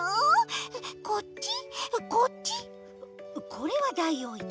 これはダイオウイカ。